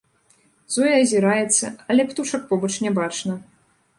Зоя азіраецца, але птушак побач не бачна.